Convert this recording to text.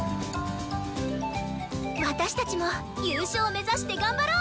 私たちも優勝目指して頑張ろう！